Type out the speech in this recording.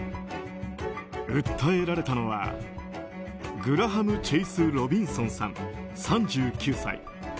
訴えられたのはグラハム・チェイス・ロビンソンさん、３９歳。